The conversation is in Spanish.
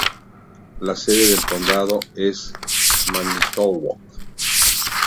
La sede del condado es Manitowoc.